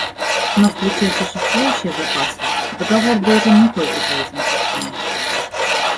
Но включать существующие запасы договор должен не только по этим причинам.